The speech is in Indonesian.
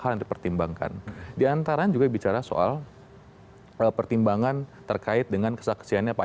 hal yang dipertimbangkan diantara juga bicara soal pertimbangan terkait dengan kesaksiannya pak